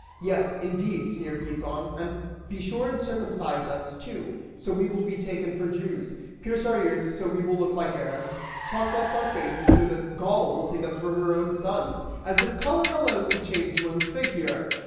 "Yes, indeed," sneered Giton, "and be sure and circumcise us, too, so we will be taken for Jews, pierce our ears so we will look like Arabs, chalk our faces so that Gaul will take us for her own sons; as if color alone could change one's figure!